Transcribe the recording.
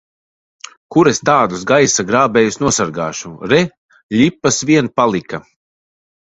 Kur es tādus gaisa grābējus nosargāšu! Re, ļipas vien palika!